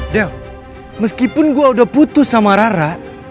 del meskipun gue udah putus sama rara